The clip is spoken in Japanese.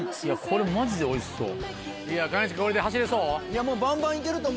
これマジでおいしそう。